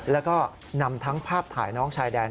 แล้วก็นำทั้งภาพถ่ายน้องชายแดน